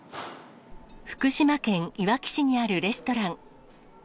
福島県いわき市にあるレストラン。